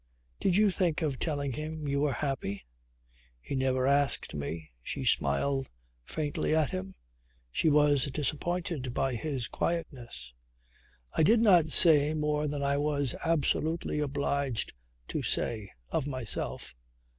Did you think of telling him you were happy?" "He never asked me," she smiled faintly at him. She was disappointed by his quietness. "I did not say more than I was absolutely obliged to say of myself."